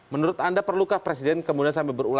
menurut anda perlukah presiden kemudian sampai berulang ke jokowi